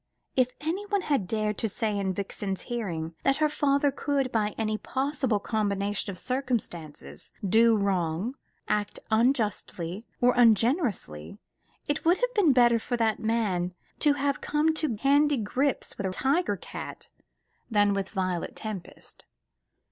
If anyone had dared to say in Vixen's hearing that her father could, by any possible combination of circumstances, do wrong, act unjustly, or ungenerously, it would have been better for that man to have come to handy grips with a tiger cat than with Violet Tempest.